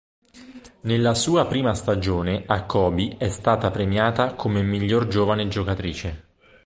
Nella sua prima stagione a Kobe è stata premiata come miglior giovane giocatrice.